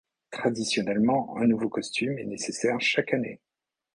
Traditionnellement un nouveau costume est nécessaire chaque année.